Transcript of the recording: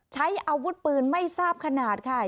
ใช้อาวุธปืนไม่ทราบขนาดค่ะ